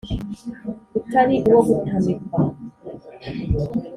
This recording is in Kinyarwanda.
utari uwo gutamikwa